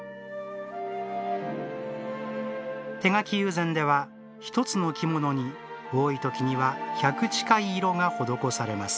手描き友禅では、一つの着物に多い時には１００近い色が施されます。